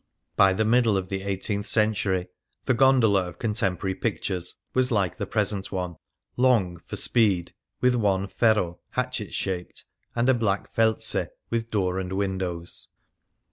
By the middle of the eighteenth century the gondola of contemporary pictures was like the present one — long, for speed, with one ferro hatchet shaped, and a black felze with door and windows.